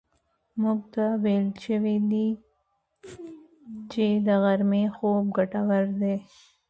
موږ ته ویل شوي چې د غرمې خوب ګټور دی.